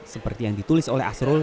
seperti yang ditulis oleh asrul